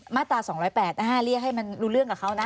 มาตรา๒๐๘เรียกให้มันรู้เรื่องกับเขานะ